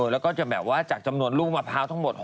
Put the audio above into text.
แล้วก็จะแบบว่าจากจำนวนลูกมะพร้าวทั้งหมด